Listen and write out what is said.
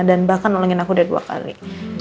dan bahkan nolongin aku udah dua kali